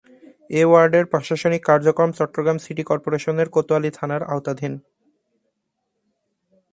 এ ওয়ার্ডের প্রশাসনিক কার্যক্রম চট্টগ্রাম সিটি কর্পোরেশনের কোতোয়ালী থানার আওতাধীন।